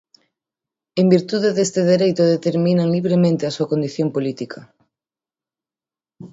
En virtude deste dereito determinan libremente a súa condición política.